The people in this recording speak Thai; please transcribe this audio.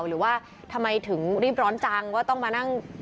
หรือว่าทำไมถึงรีบร้อนจังว่าต้องมานั่ง